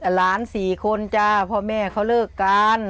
หลานสี่คนจ้าเพราะแม่เขาเลิกการ